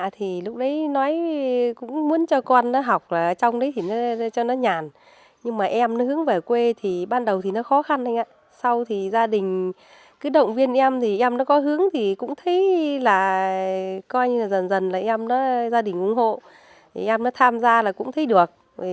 trở về quê thì ban đầu nó khó khăn sau gia đình cứ động viên em em nó có hướng thì cũng thấy là coi như là dần dần em nó gia đình ủng hộ em nó tham gia là cũng thấy được